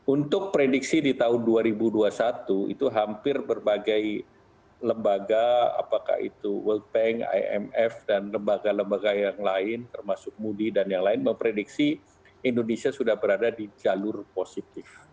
untuk prediksi di tahun dua ribu dua puluh satu itu hampir berbagai lembaga apakah itu world bank imf dan lembaga lembaga yang lain termasuk moody dan yang lain memprediksi indonesia sudah berada di jalur positif